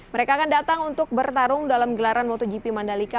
mereka akan datang untuk bertarung dalam gelaran motogp mandalika